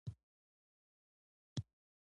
افریقایي متل وایي د ماشومانو زده کړه په تدریج ده.